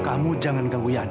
kamu jangan ganggu riana